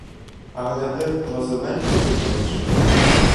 А гляди, про земельку думаєш?